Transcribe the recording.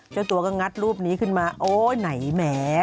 เจ้าตัวก็งัดรูปนี้ขึ้นมาโอ๊ยไหนแหม